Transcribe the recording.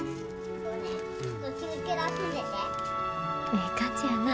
ええ感じやな。